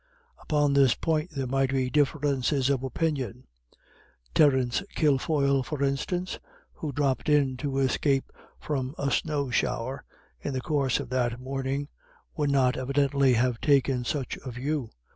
Upon this point there might be differences of opinion. Terence Kilfoyle, for instance, who dropped in to escape from a snow shower in the course of that morning, would not, evidently, have taken such a view.